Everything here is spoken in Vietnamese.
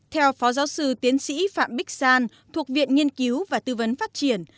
theo phó giáo sư tiến sĩ phạm bích san thuộc viện nghiên cứu và tư vấn phát triển